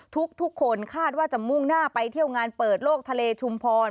ทุกคนคาดว่าจะมุ่งหน้าไปเที่ยวงานเปิดโลกทะเลชุมพร